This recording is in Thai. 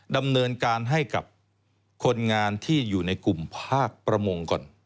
ดำเนินการให้กับคนงานที่อยู่ในกลุ่มภาคประมงก่อน